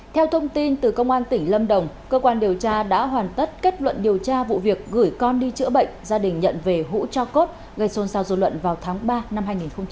theo thông tin từ công an tỉnh lâm đồng cơ quan điều tra đã hoàn tất kết luận điều tra vụ việc gửi con đi chữa bệnh gia đình nhận về hũ cho cốt gây xôn xao dù luận vào tháng ba năm hai nghìn hai mươi ba